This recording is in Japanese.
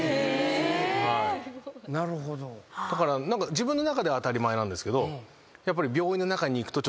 自分の中では当たり前なんですけど。